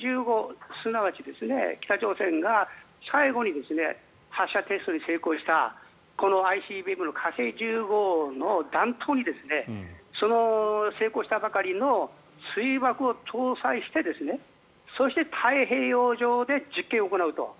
１５すなわち北朝鮮が最後に発射テストに成功したＩＣＢＭの火星１５の弾頭に成功したばかりの水爆を搭載してそして太平洋上で実験を行うと。